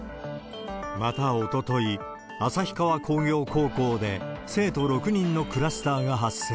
またおととい、旭川工業高校で生徒６人のクラスターが発生。